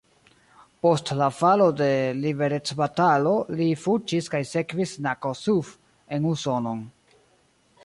Post la falo de liberecbatalo li fuĝis kaj sekvis na Kossuth en Usonon.